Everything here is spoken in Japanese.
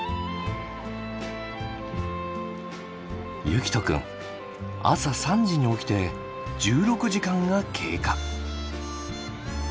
結季斗くん朝３時に起きて１６時間が経過。